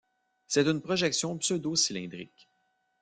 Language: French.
C'est une projection pseudo-cylindrique.